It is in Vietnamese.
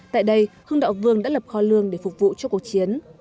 tại đây hương đạo vương đã lập kho lương để phục vụ cho cuộc chiến